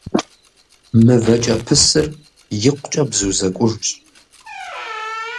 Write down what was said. МывэкӀэпысыр икъукӀэ бзу зэкӀужщ.